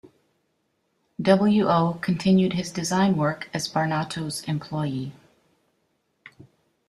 W. O. continued his design work as Barnato's employee.